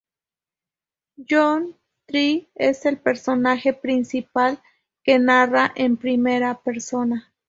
John Tyree es el personaje principal, que narra en primera persona.